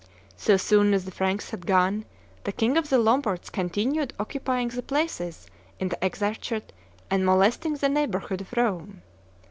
So soon as the Franks had gone, the King of the Lombards continued occupying the places in the exarchate and molesting the neighborhood of Rome.